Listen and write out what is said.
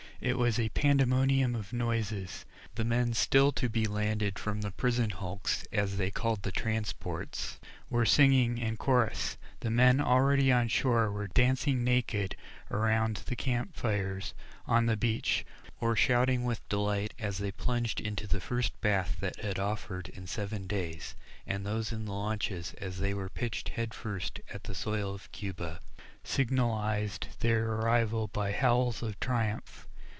It was a pandemonium of noises. The men still to be landed from the "prison hulks," as they called the transports, were singing in chorus, the men already on shore were dancing naked around the camp fires on the beach, or shouting with delight as they plunged into the first bath that had offered in seven days, and those in the launches as they were pitched head first at the soil of Cuba, signalized their arrival by howls of triumph.